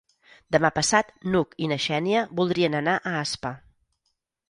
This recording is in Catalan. Demà passat n'Hug i na Xènia voldrien anar a Aspa.